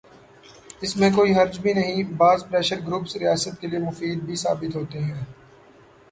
اس میں کوئی حرج بھی نہیں، بعض پریشر گروپس ریاست کے لئے مفید بھی ثابت ہوتے ہیں۔